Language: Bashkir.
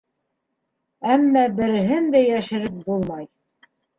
Әммә береһен дә йәшереп булмай.